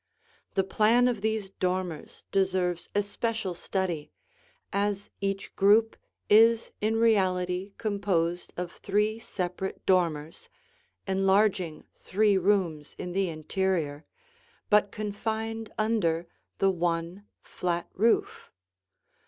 The plan of these dormers deserves especial study, as each group is in reality composed of three separate dormers, enlarging three rooms in the interior, but confined under the one flat roof.